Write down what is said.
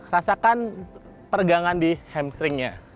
rasakan pergangan di hamstringnya